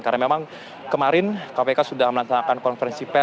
karena memang kemarin kpk sudah melaksanakan konferensi